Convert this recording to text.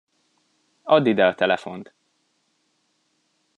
Add ide a telefont!